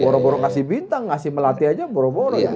borong borong kasih bintang kasih melatih aja borong borong